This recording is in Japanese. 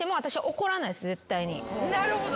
なるほど。